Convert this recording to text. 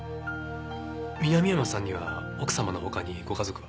南山さんには奥様の他にご家族は？